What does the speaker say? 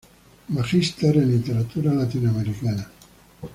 Magister en Literatura Latinoamericana.